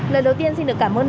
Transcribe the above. lời đầu tiên xin được cảm ơn